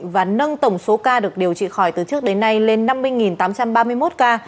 và nâng tổng số ca được điều trị khỏi từ trước đến nay lên năm mươi tám trăm ba mươi một ca